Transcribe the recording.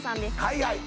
はいはい。